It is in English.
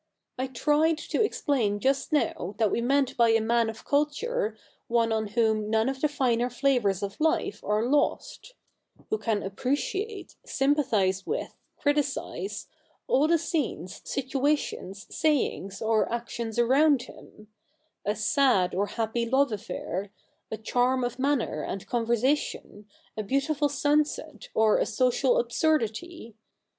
I tried to explain just now that we meant by a man of culture one on whom none of the finer flavours of life are lost — who can appreciate, sympathise with, criticise, all the scenes, situations, sayings, or actions around him — a sad or happy love affair, a charm of manner and conversation, a beautiful sunset, or a social absurdity.